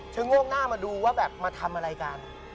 โงกหน้ามาดูว่าแบบมาทำอะไรกัน